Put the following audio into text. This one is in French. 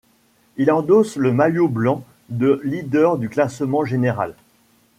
Il endosse le maillot blanc de leader du classement général.